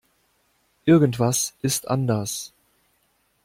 Irgendwas ist anders.